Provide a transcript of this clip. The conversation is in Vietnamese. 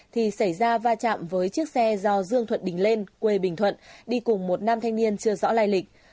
thì xảy ra va chạm với chiếc xe do dương thuận đình lên quê bình thuận đi cùng một nam thanh niên chưa rõ lai lịch